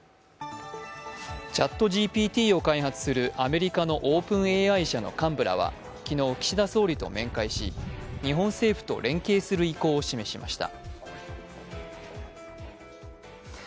ＣｈａｔＧＰＴを開発するアメリカのＯｐｅｎＡＩ社の幹部らは昨日、岸田総理と面会し、日本政府と連携する意向を示しました。